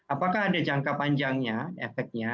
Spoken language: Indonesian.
apakah ada jangka panjangnya efeknya